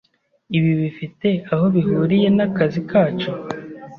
Ibi bifite aho bihuriye nakazi kacu?